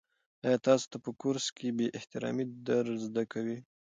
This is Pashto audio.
آیا تاسو ته په کورس کې بې احترامي در زده کوي؟